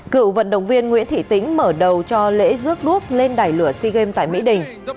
cựu vận động viên nguyễn thị tính mở đầu cho lễ rước đuốc lên đài lửa sea games tại mỹ đình